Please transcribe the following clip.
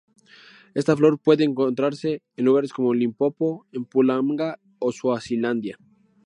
Esta flor puede encontrarse en lugares como Limpopo, Mpumalanga o Swazilandia.